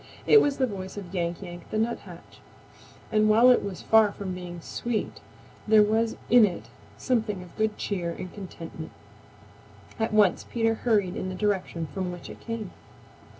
It was the voice of Yank Yank the Nuthatch, and while it was far from being sweet there was in it something of good cheer and contentment. At once Peter hurried in the direction from which it came.